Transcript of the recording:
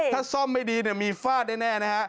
ถ้าซ่อมไม่ดีมีฟาดแน่นะฮะ